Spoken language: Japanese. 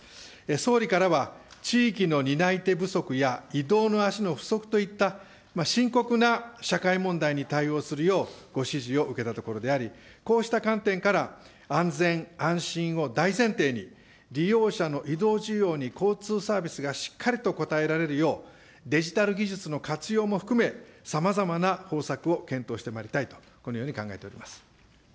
総理からは、地域の担い手不足や、移動の足の不足といった深刻な社会問題に対応するようご指示を受けたところであり、こうした観点から、安全、安心を大前提に、利用者の移動需要に交通サービスがしっかりと応えられるよう、デジタル技術の活用も含め、さまざまな方策を検討してまいりたいと、このように考えております。